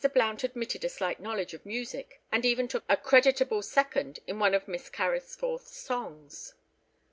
Blount admitted a slight knowledge of music, and even took a creditable second in one of Miss Carrisforth's songs.